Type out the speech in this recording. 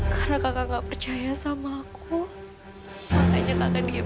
karena kakak gak percaya sama aku makanya kakak diem diem